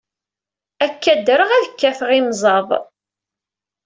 Akka ddreɣ, ad kkateɣ imẓad.